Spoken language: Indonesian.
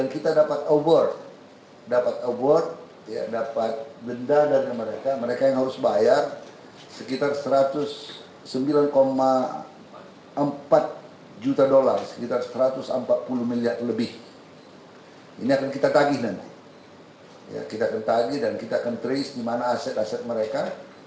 kita akan tagih dan kita akan trace di mana aset aset mereka